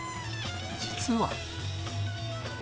実は。